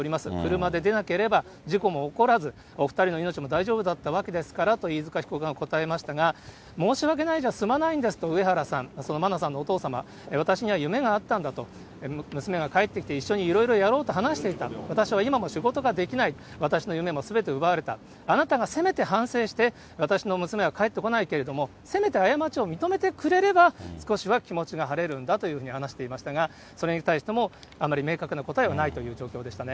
車で出なければ事故も起こらず、お２人の命も大丈夫だったわけですからと、飯塚被告が答えましたが、申し訳ないじゃ済まないんです、うえはらさん、その真菜さんのお父様、私には夢があったんだと、娘が帰ってきて、いろいろやろうと話していた、私は今も仕事ができない、私の夢もすべて奪われた、あなたがせめて反省して、私の娘は帰ってこないけれども、せめて過ちを認めてくれれば、少しは気持ちが晴れるんだというふうに話していましたが、それに対しても、あんまり明確な答えはないという状況でしたね。